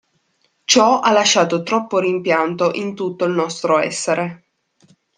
Ciò ha lasciato troppo rimpianto in tutto il nostro essere.